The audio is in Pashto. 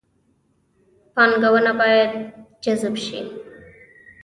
پانګونه باید جذب شي